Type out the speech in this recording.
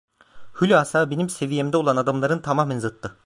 Hulasa benim seviyemde olan adamların tamamen zıddı.